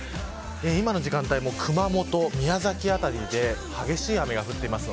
今の時間帯も熊本、宮崎辺り激しい雨が降っています。